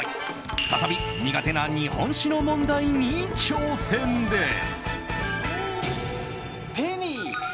再び、苦手な日本史の問題に挑戦です。